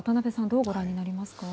どうご覧になりますか？